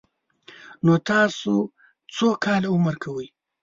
_نو تاسو څو کاله عمر کوئ؟